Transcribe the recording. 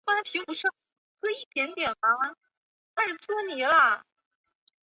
也与同期唱片公司两位女歌手许美静和李翊君誉为上华三大销售天后。